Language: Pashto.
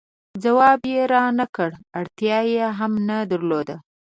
ځواب یې را نه کړ، اړتیا یې هم نه درلوده.